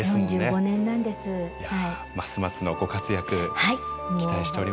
いやますますのご活躍期待しておりますので。